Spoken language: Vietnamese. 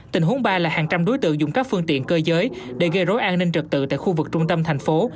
tình huống ba là hàng trăm đối tượng dùng các phương tiện cơ giới để gây rối an ninh trật tự tại khu vực trung tâm thành phố